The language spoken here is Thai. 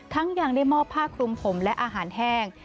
ยังได้มอบผ้าคลุมผมและอาหารแห้ง